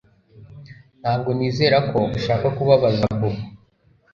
Ntabwo nizera ko ushaka kubabaza Bobo